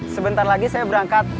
sebentar lagi saya berangkat